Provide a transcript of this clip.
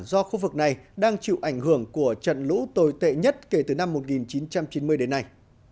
do khu vực này đang chịu ảnh hưởng của trận lũ tồi tệ nhất kể từ năm một nghìn chín trăm chín mươi đến nay